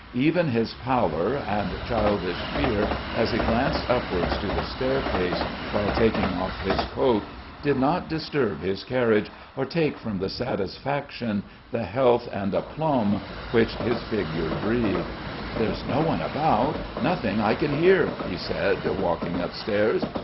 Even his pallor and childish fear as he glanced upwards to the staircase while taking off his coat, did not disturb his carriage or take from the satisfaction, the health and aplomb which his figure breathed. "There's no one about, nothing I can hear," he said walking upstairs.